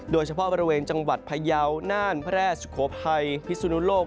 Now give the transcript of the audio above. โดยเฉพาะบริเวณจังหวัดพยาวน่านพระราชสุโขภัยพิสุนุโลก